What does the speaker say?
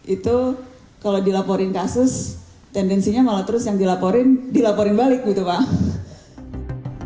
itu kalau dilaporin kasus tendensinya malah terus yang dilaporin dilaporin balik gitu pak